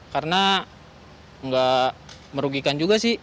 karena nggak merugikan juga sih